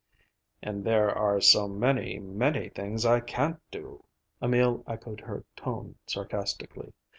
"And there are so many, many things I can't do." Emil echoed her tone sarcastically.